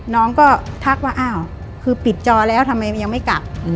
น้องก็ทักว่าอ้าวคือปิดจอแล้วทำไมมันยังไม่กลับ